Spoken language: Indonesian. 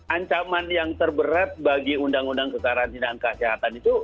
ancaman yang terberat bagi undang undang kekarantinaan kesehatan itu